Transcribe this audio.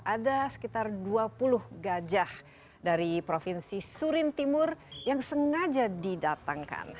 ada sekitar dua puluh gajah dari provinsi surin timur yang sengaja didatangkan